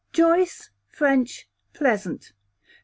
_ Joyce, French, pleasant.